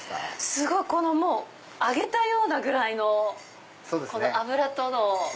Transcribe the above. すごい！揚げたようなぐらいの脂との。